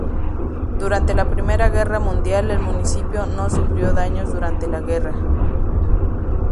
Durante la Primera Guerra Mundial, el municipio no sufrió daños durante la guerra.